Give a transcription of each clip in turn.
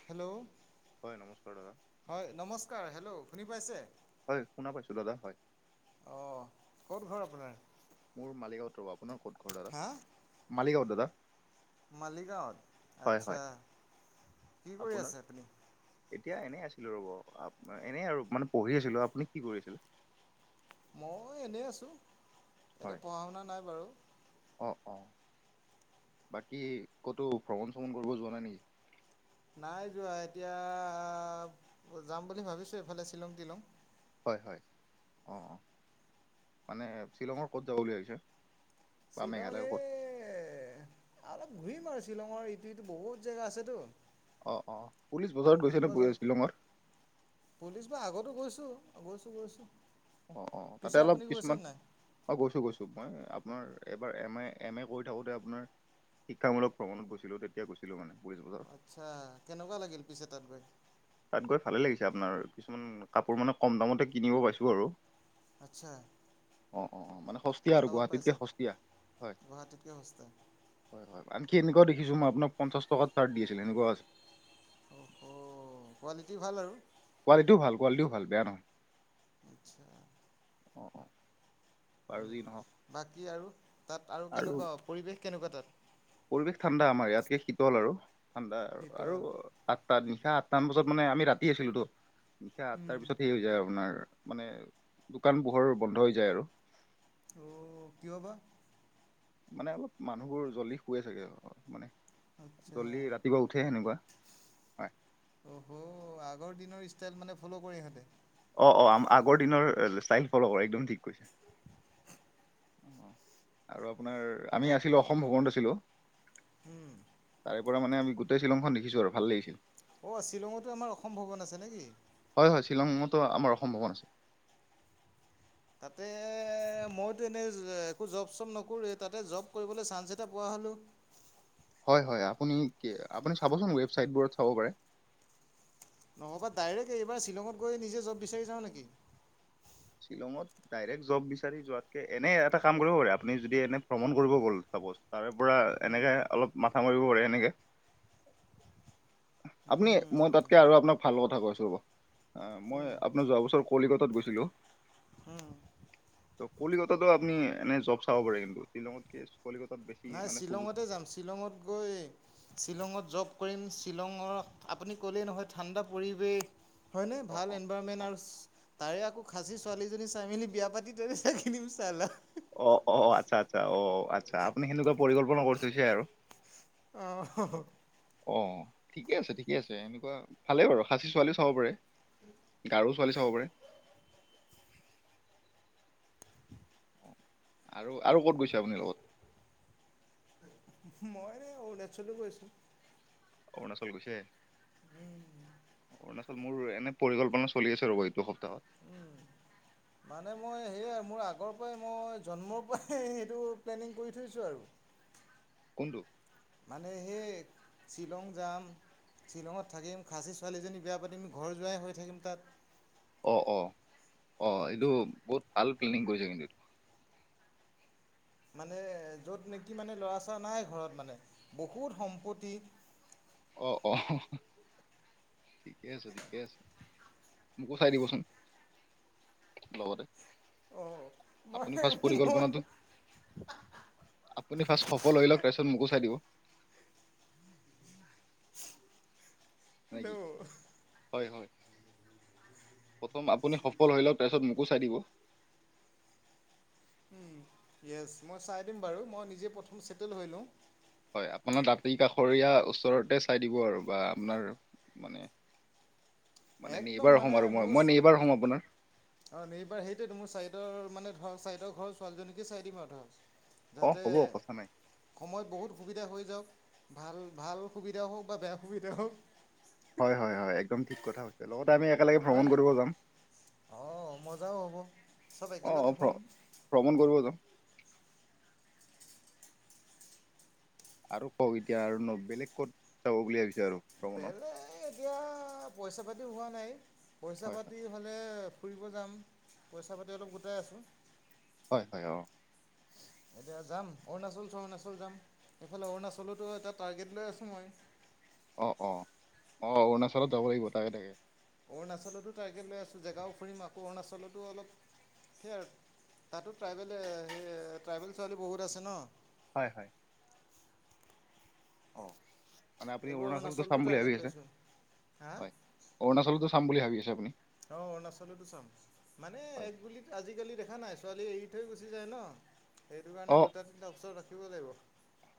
Hello, হয় নমস্কাৰ দাদা হয় নমস্কাৰ হেল্ল' শুনি পাইছে। হয় শুনা পাইছো দাদা, হয়। অ, ক'ত ঘৰ আপোনাৰ? মোৰ মালিগাঁৱত ৰ'ব। আপোনাৰ ক'ত ঘৰ দাদা? হা? মালিগাঁৱত দাদা। মালিগাঁৱত? হয় আচ্ছা, হয় কি কৰি আপোনাৰ আছে আপুনি? এতিয়া এনেই আছিলো ৰ'ব। এনেই আৰু মানে পঢ়ি আছিলো। আপুনি কি কৰি আছিল? মই এনেই আছো এতিয়া হয় পঢ়া শুনা নাই বাৰু অ অ বাকী ক'তো ভ্ৰমণ চ্ৰমণ কৰিব যোৱা নাই নেকি নাই যোৱা এতিয়া যাম বুলি ভাবিছো এফালে শ্বিলং তিলং হয় হয় অ মানে শ্বিলঙৰ ক'ত যাব বুলি ভাবিছা শ্বিলং এ অলপ ঘূৰিম আৰু শ্বিলঙৰ ইটো সিটো বহুত জেগা আছেতো। অ অ পুলিচ বজাৰত ঘূৰিব গৈছেনে যাম পুলিচ শ্বিলঙৰ। পুলিচ বা আগতো গৈছো, গৈছো গৈছো। অ অ তাতে অলপ কিছুমান অ গৈছো গৈছো মই আপোনাৰ এবাৰ এম এ এম এ কৰি থাকোতে আপোনাৰ শিক্ষামূলক ভ্ৰমণত গৈছিলো তেতিয়া গৈছিলো মানে পুলিচ বজাৰ। আচ্ছা, কেনেকোৱা লাগিল পিছে তাত গৈ। তাত গৈ ভালে লাগিছে আপোনাৰ কিছুমান কাপোৰ মানে কম দামতে কিনিব পাইছো আৰু। আচ্ছা। অ অ মানে সস্তীয়া কম আৰু দামত গুৱাহাটীতকে পাইছে? সস্তীয়া হয়। গুৱাহাটীতকৈ সস্তা হয় হয় আনকি এনেকোৱাও দেখিছো মই আপোনাক পঞ্চাশ টকাত চাৰ্ট দি আছিলে এনেকোৱাও আছে অ হ কোৱালিটি ভাল আৰু। কোৱালিটিও ভাল কোৱালিটিও ভাল বেয়া নহয়। আচ্ছা অ অ হয় বাৰু নি যি নহওক বাকী আৰু তাত আৰু কেনেকোৱা পৰিৱেশ কেনেকোৱা তাত। পৰিৱেশ ঠাণ্ডা আমাৰ ইয়াতকে শীতল আৰু ঠাণ্ডা আৰু শীতল তাত নিশা আঠটামান বজাত মানে আমি ৰাতি আছিলোতো নিশা আঠটাৰ পিছত সেই হৈ যায় আপোনাৰ মানে দোকান পোহৰ বন্ধ হৈ যায় আৰু। অ কিয় বা? মানে অলপ মানুহবোৰ জল্দি শুৱে চাগে আও মানে আচ্ছা জল্দি ৰাতিপুৱা উঠে সেনেকোৱা। অহ আগৰ দিনৰ ষ্টাইল মানে ফ'ল' কৰে ইহঁতে। অ অ আ আগৰ দিনৰ ষ্টাইল ফ'ল' কৰে একদম ঠিক কৈছা। আৰু আপোনাৰ আমি তাকে আছিলো অসম ভবনত আছিলো। তাৰে পৰা মানে আমি গোটেই শিলংখন দেখিছো আৰু ভাল লাগিছিল। অ', শ্বিলঙতো আমাৰ অসম ভৱন আছে নে কি। হয়- হয় শ্বিলঙতো আমাৰ অসম ভৱন আছে। তাতে মইতো এনেই একো জব চব নকৰোৱেই তাতে জব কৰিবলৈ চান্স এটা পোৱা হ'লেও। হয় হয়, আপুনি কি আপুনি চাবচোন ৱেবচাইটবোৰত চাব পাৰে। নহ'বা ডাইৰেক্ট এইবাৰ শ্বিলঙত গৈ নিজে জব বিচাৰি যাওঁ নেকি। শ্বিলঙত ডাইৰেক্ট জব বিচাৰি যোৱাতকে এনে এটা কাম কৰিব পাৰে আপুনি যদি এনে ভ্ৰমণ কৰিব গ'ল চাপ'ছ তাৰে পৰা উম, এনেকে অলপ মাথা মাৰিব পাৰে এনেকে। উম, আপুনি মই উম, তাতকে আৰু আপোনাক ভাল কথা কৈছো ৰ'ব, এ মই উম। আপোনাৰ যোৱা বছৰ কলিকতাত গৈছিলো। হুম। ত কলিকতাতো আপুনি এনে জব চাব পাৰে কিন্তু শ্বিলঙতকে কলিকতাত বেছি নাই মানে সুযোগ শ্বিলঙতে যাম শ্বিলঙত গৈ। শ্বিলঙত জব কৰিম শ্বিলঙত আপুনি ক'লেই নহয় ঠাণ্ডা পৰিৱেশ। হয় নে অ', ভাল অ'। এনৱাৰ্ড। মেনাৰছ তাৰে আকৌ খাচী ছোৱালী এজনী চাই মেলি বিয়া পাতি দে কিনিম চালা। অ অ আচ্ছা আচ্ছা অ আচ্ছা আপুনি সেনেকোৱা পৰিকল্পনা কৰিছে থৈছে আৰু। অহ হহ অ', ঠিকে আছে- ঠিকে আছে এনেকুৱা ভালেই বাৰু খাচী ছোৱালীও চাব পাৰে। গাৰো ছোৱালী চাব পাৰে। আৰু-আৰু ক'ত গৈছে আপুনি লগত। মই এ অৰুণাচলে গৈছোঁ। অৰুণাচল গৈছে। অৰুণাচল মোৰ এনে পৰিকল্পনা চলি আছে ৰব এইটো সপ্তাহত। মানে মই সেয়াই মোৰ আগৰ পৰাই মই জন্মৰ পৰাই সেইটো প্লেনিং কৰি থৈছোঁ আৰু। কোনটো। মানে সেই শ্বিলং যাম। শ্বিলঙত থাকিম খাচী ছোৱালীজনী বিয়া পাতিম ঘৰ যোৱাই হৈ থাকিম তাত। অ অ অ এইটো বহুত ভাল প্লেনিং কৰিছে কিন্তু এইটো। মানে য'ত নেকি মানে ল'ৰা ছৰা নাই ঘৰত মানে বহুত সম্পত্তি। অ অ ঠিকে আছে ঠিকে আছে মোকো চাই দিবচোন। লগতে অ মই আপুনি ফাৰ্ষ্ট মই পৰিকল্পনাটো। আপুনি ফাৰ্ষ্ট সফল হৈ লওক তাৰপিছত মোকো চাই দিব। [unintelligible] না কি। হয় হয় প্ৰথম আপুনি সফল হৈ লওক তাৰপিছত মোকো চাই দিব। উম য়েছ মই চাই দিম বাৰু মই নিজে প্ৰথম ছেটেল হৈ লওঁ। হয় আপোনাৰ দাঁতি কাষৰীয়া ওচৰতে চাই দিব আৰু বা আপোনাৰ মান নে মানে একদম নিৰবাৰ মানে হ'ম আৰু মই মোৰ মই নিৰবাৰ হ'ম আপোনাৰ। অ নিৰবাৰ সেইটোয়ে মোৰ চাইডৰ মানে ধৰ চাইডৰ ঘৰৰ ছোৱালীজনীকে চাই দিম আৰু ধৰক। অ যাতে হ'ব কথা নাই সময়ত বহুত সুবিধা হৈ যাওক ভাল ভাল সুবিধাও হওক বা বেয়া সুবিধা হওক। হয় হয় হয় একদম ঠিক কথা হৈছে লগতে আমি একেলগে ভ্ৰমণ কৰিব যাম। অ মজাও হ'ব চব অ অ একেলগে ভ্ৰ শুম। ভ্ৰমণ কৰিব যাওঁ। আৰু কও এতিয়া আৰু ন বেলেগ ক'ত যাব বুলি ভাবিছে আৰু। ভ্ৰমণত বেলেগ এতিয়া পইচা পাতিও হোৱা নাই পইচা হয় পাতি। হলে ফুৰিব যাম পইচা পাতি অলপ গোটাই আছোঁ। হয় হয় অ এতিয়া যাম অৰুণাচল চৰুণাচল যাম সেইফালে অৰুণাচলতো এটা টাৰ্গেট লৈ আছোঁ মই। অ অ অ অৰুণাচলত যাব লাগিব তাকে তাকে। অৰুণাচলতো টাৰ্গেট লৈ আছোঁ জেগাও ফুৰিম আকৌ অৰুণাচলো অলপ। সেইয়া আৰু তাতো ট্ৰাইবেল সেই ট্ৰাইবেল ছোৱালী বহুত আছে ন। হয় হয় অ মানে আপুনি এইবাৰ অৰুণাচলতো চাম বুলি ভাবি টাৰ্গেট আছে লৈছোঁ হা হয়। অৰুণাচলতো চাম বুলি ভাবি আছে আপুনি। অ অৰুণাচলটো চাম। মানে হয় একগুলিত আজিকালি দেখা নাই ছোৱালী এৰি থৈ গুচি যায় ন। সেইটো কাৰণে অ দুটা তিনিটা ওচৰত ৰাখিব লাগিব।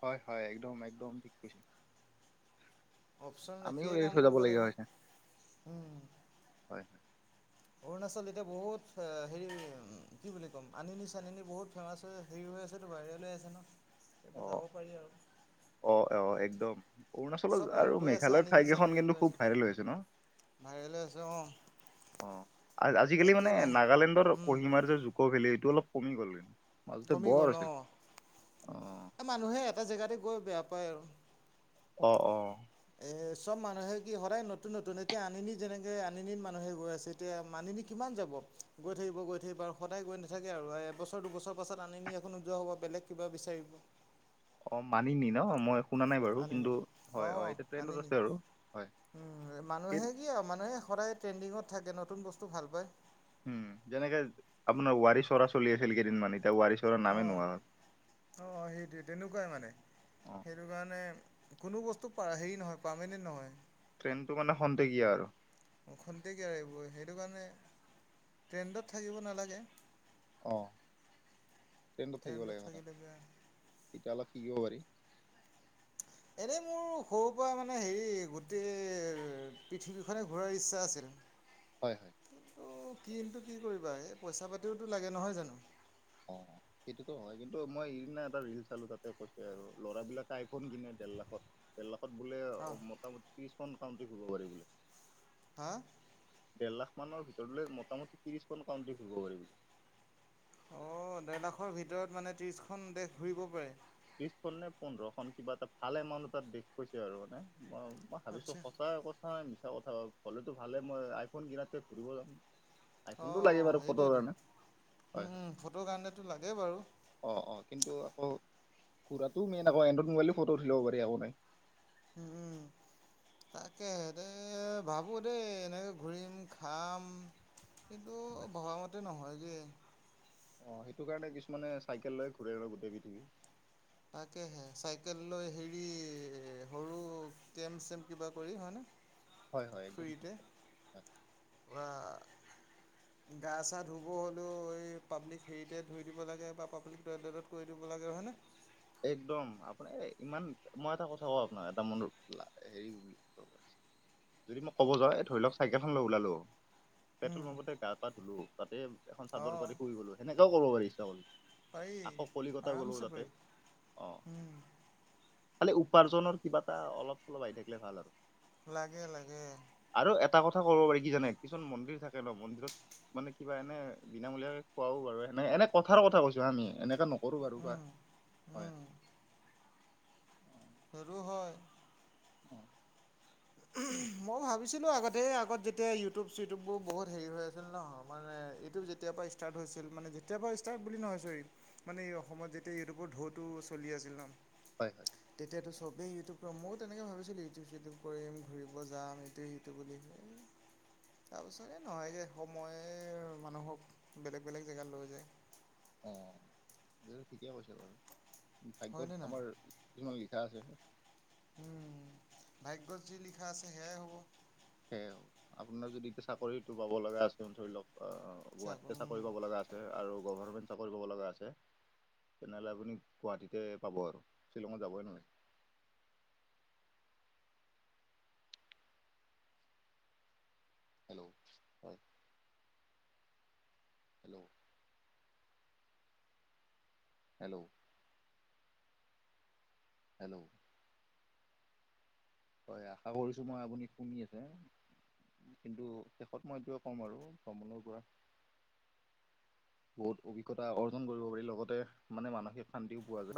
হয় হয় একদম একদম ঠিক কৈছা। অপচন ৰাখিহে কাম কৰিব লাগিব উম। হয়। অৰুণাচল এতিয়া বহুত হেৰি কি বুলি ক'ম আনিনী চানিনী বহুত ফেমাছ হৈ হেৰি হৈ আছেতো বাহিৰলৈ আছে ন এয়া অ পৰা যাব পাৰি আৰু। অ অ একদম অৰুণাচলৰ চব মানুহ আৰু গৈ আছে মেঘালয়ৰ ঠাই কেইখন কিন্তু খুব ভাইৰেল হৈছে ন। ভাইলৈ হৈ আছে আ অ আজিকালি মানে নাগালেণ্ডৰ উম কহিমাৰ যে জুক ভেলী এইটো অলপ কমি গ'লগে। কমি গ'ল অ মানুহে এটা জেগাতে গৈ বেয়া পায় আৰু। অ অ। এ চব মানুহে কি সদায় নতুন নতুন এতিয়া আনিনি যেনেকে আনিনি মানুহে গৈ আছে ত। তেতিয়া মানুহবোৰ কিমান যাব গৈ থাকিব গৈ থাকিব আৰু সদায় গৈ নাথাকে আৰু এবছৰ দুবছৰ। পাছত আনিনি আকৌ নোযোৱা হ'ব বেলেগ কিবা বিচাৰিব। অ মানিনি ন মইফ শুনা নাই বাৰু আনিনি কিন্তু হয় হয় অঁ এতিয়া ট্ৰেইনত আনিনি আছে আৰু হয়। সেত- কিয় মানুহে সদায় ট্ৰেণ্ডিঙত থাকে নতুন বস্তু ভাল পায়। উম যেনেকে আপোনাৰ ওৱাৰী চৰা চলি আছিল কেইদিনমান এতিয়া ওৱাৰী অ অ সেইটোৱে তেনেকুৱাই মানে অ সেইটো কাৰণে কোনো বস্তু পা হেৰি নহয় পাৰ্মেনেণ্ট নহয়। ট্ৰেইনটো মানে খন্তেকিয়া আৰু। খন্তেকীয়া এইবোৰ সেইটো কাৰণে ট্ৰেণ্ডত থাকিব নালাগে। অ ট্ৰেইনত থাকিব ট্ৰেণ্ডত লাগে মানে থাকিলে বেয়া তেতিয়া অলপ শিকিব পাৰি। এনেই মোৰ সৰুৰ পৰা মানে হেৰি গোটেই পৃথিৱীখনে ঘূৰাৰ ইচ্ছা আছিল। হয়। ত' কিন্তু কি কৰিবা এই পইচা পাতিওটো লাগে নহয় জানোঁ। অ। সেইটোতো হয় কিন্তু মই ইদিনা এটা ৰিল চালোঁ তাতে কৈছে আৰু ল'ৰাবিলাকে আইফোন কিনে দেৰ লাখত। দেৰ লাখত বোলে অ। মোটামুটি ত্ৰিশখন কাউণ্টি ঘুৰিব পাৰিবি। হা। ডেৰ লাখ মানৰ ভিতৰলৈ মোটামুটি ত্ৰিশখনন কাউণ্টিত ঘুৰিব পাৰিবি। অ ডেৰ লাখৰ ভিতৰত মানে ত্ৰিছখন দেশ ঘূৰিব পাৰে। ত্ৰিশখন নে পোন্ধৰখন কিবা এটা ভাল এমাউণ্ট তাত দেক কৈছে আৰু মানে ম- মই ভাবিছোঁ আচ্ছা। সঁচা কথা মিছা কথা হলেতো ভালে মই আইফোন কিনাতকে ঘুৰিব যাম। আইফোনটো অঁ লাগে বাৰু ফটো কাৰণে হয় হয়। ফটো কাৰণেতো লাগেই বাৰু। অ অ কিন্তু আকৌ ঘুৰাতটো মেইন আকৌ এণ্ড্ৰইড মোবাইলতো ফটো উঠি ল'ব পাৰি একো নাই। উম উম। তাকেহেঁদে ভাবোঁ দেই এনেকৈ ঘূৰিম খাম। কিন্তু ভবামতে নহয় গে। অ' সেইটো কাৰণে কিছুমানে চাইকেল লৈ ঘূৰে আৰু গোটেই পৃথিৱী। তাকেহে চাইকেল লৈ হেৰি সৰু কেম চেম কিবা কৰি হয়নে। হয় হয় একদম ঠিক ফ্ৰীতে কথা। ৱা [inaudible] গা চা ধুব হ'লেও এই পাব্লিক হেৰিটেজ ধুই দিব লাগে বা পাব্লিক টইলেটত কৰি দিব লাগে হয়নে। একদম আপোনাৰ ইমান মই এটা কথা কওঁ আপোনাক এটা মন হেৰি বুলি যদি মই ক'ব যাওঁ এ ধৰি লওঁক চাইকেলখন লৈ ওলালোঁ। পেট্ৰল উম, পাম্পতে গা পা ধুলোঁ তাতে এখন চাদৰ অঁ পাৰি শুই গ'লো সেনেকাও কৰিব পাৰি ইচ্ছা গ'লে। পাৰি আকৌ কলিকতা গ'লো আৰামছে পাৰি। তাতে। অ' উম। খালি উপাৰ্জনৰ কিবা এটা অলপ চলপ আইডিয়া থাকিলে ভাল আৰু। লাগে লাগে। আৰু এটা কথা কব পাৰি কি জানে কিছুমান মন্দিৰ থাকে ন মন্দিৰত মানে কিবা এনে বিনামুলীয়াকে খোৱাও বাৰু এনে এনে কথাৰ কথা কৈছো হা আমি এনেকে নকৰো বাৰু বা উম হয়। উম সৰু হয়। অ। মইয়ো ভাবিছিলোঁ আগতে আগত যেতিয়া ইউটিউব চিটিউবোৰ বহুত হেৰি হৈ আছিল ন মানে ইউটিউব যেতিয়া পা ইস্ত- ছাৰট হৈছিল মানে যেতিয়া পা ষ্টাৰট বুলি নহয় চৰি মানে এই অসমত যেতিয়া ইউটিউবৰ ঢৌটো চলি আছিল ন। হয় হয় তেতিয়াতো চবেই ইউটিউবত মইয়ো তেনেকে ভাবিছিলোঁ ইউটিউব চিউটোব। কৰিম ঘূৰিব যাম এইটো সিটো বুলি তাৰপিছত এ নহয়গে সময়ে মানুহক বেলেগ বেলেগ জেগাত লৈ যায়। অ ঠিকে কৈছে বাৰু হয়নে ভাগ্যত আমাৰ কিছুমান লিখা আছে। উম ভাগ্যত যি লিখা আছে সেয়াই হ'ব। সেইয়াও আপোনাৰ যদি চাকৰিতটো পাব লগা আছে ধৰি লওক আহ গুৱাহাটীতে চাকৰি পাব চাক লগা আছে। আৰু গভাৰ্ণমেণ্ট চাকৰি পাব লগা আছে। তেনেহ'লে আপুনি গুৱাহাটীতে পাব আৰু শ্বিলঙত যাবই নালাগে। হেল্ল' হয়। হেল্ল'। হেল্ল' হেল্ল' হয় আশা কৰিছো মই আপুনি শুনি আছে। কিন্তু শেষত মই এইটোয়ে ক'ম আৰু ভ্ৰমণৰ পৰা। বহুত অভিজ্ঞতা অৰ্জন কৰিব পাৰি লগতে মানে মানসিক শান্তিও পোৱা যায়।